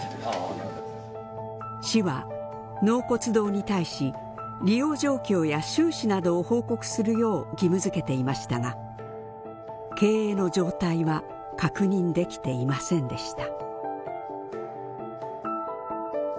市は納骨堂に対し利用状況や収支などを報告するよう義務づけていましたが経営の状態は確認できていませんでした。